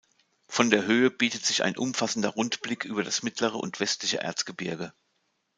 Von der Höhe bietet sich ein umfassender Rundblick über das mittlere und westliche Erzgebirge.